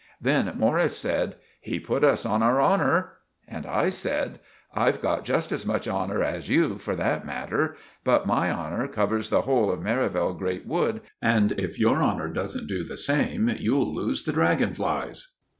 Then Morris said— "He put us on our honour." And I said— "I've got just as much honour as you for that matter. But my honour covers the hole of Merivale Grate Wood, and if your honour doesn't do the same, you'll loose the draggon flies."